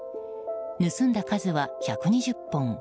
盗んだ数は１２０本。